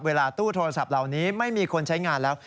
ตู้โทรศัพท์เหล่านี้ไม่มีคนใช้งานแล้ว